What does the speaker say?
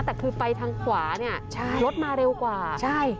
แต่คือไปทางขวาเนี่ยใช่รถมาเร็วกว่าใช่